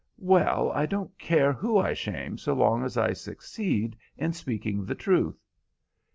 "Well, I don't care who I shame as long as I succeed in speaking the truth."